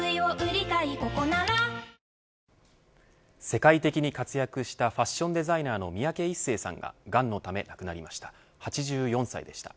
世界的に活躍したファッションデザイナーの三宅一生さんががんのため亡くなりました。